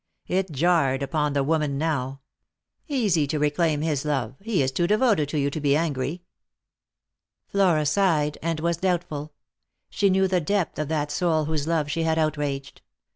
It jarred upon the woman now. "Easy to reclaim his love; he is too devoted to you to be angry." Flora sighed, and was doubtful. She knew the depth of that soul whose love she had outraged.